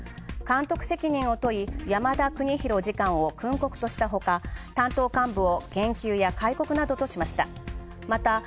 監督責任をとり山田邦博次官を訓告としたほか担当幹部を減給や勧告などとしました。